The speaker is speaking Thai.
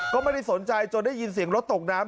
ก็ไม่ได้สนใจจนได้ยินเสียงรถตกน้ำ